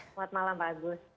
selamat malam pak agus